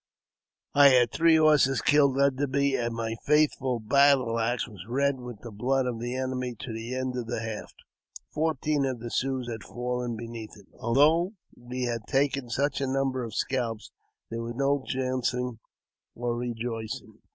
I had three horses killed under me, and my faithful battle axe was red with the blood of the enemy to the end of the haft ; fourteen of the Siouxs had fallen beneath it. Although we had taken such a number of scalps, there was no dancing or rejoicing.